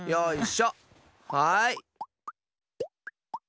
はい。